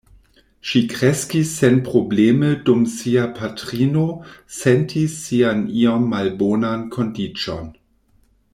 Ŝi kreskis senprobleme dum sia patrino sentis sian iom malbonan kondiĉon.